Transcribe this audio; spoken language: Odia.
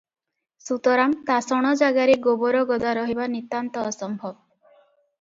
ସୁତରାଂ ତାସଣ ଜାଗାରେ ଗୋବରଗଦା ରହିବା ନିତାନ୍ତ ଅସମ୍ଭବ ।